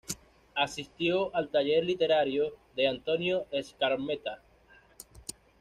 Asistió al taller literario de Antonio Skármeta.